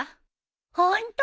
ホント！？